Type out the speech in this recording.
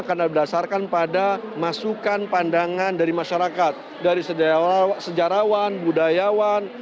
karena berdasarkan pada masukan pandangan dari masyarakat dari sejarawan budayawan